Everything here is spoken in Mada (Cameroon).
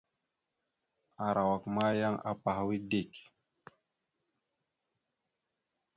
Arawak ma yan apahwa dik.